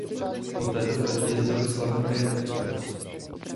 Po této trati jezdil i slavný Orient expres.